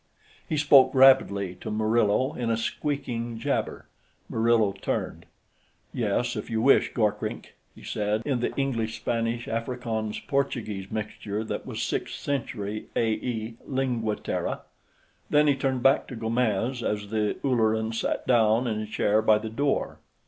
He spoke rapidly to Murillo, in a squeaking jabber. Murillo turned. "Yes, if you wish, Gorkrink," he said, in the English Spanish Afrikaans Portuguese mixture that was Sixth Century, A.E., Lingua Terra. Then he turned back to Gomes as the Ulleran sat down in a chair by the door.